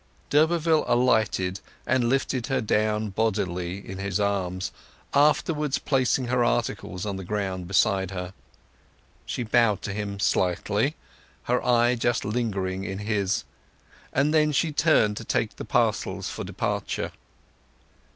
D'Urberville alighted, and lifted her down bodily in his arms, afterwards placing her articles on the ground beside her. She bowed to him slightly, her eye just lingering in his; and then she turned to take the parcels for departure.